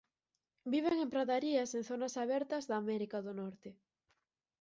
Viven en pradarías en zonas abertas de América do Norte.